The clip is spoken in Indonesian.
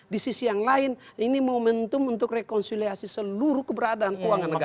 di sisi yang lain ini momentum untuk rekonsiliasi seluruh keberadaan keuangan negara